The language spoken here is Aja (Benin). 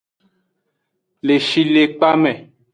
Le shilekpa me.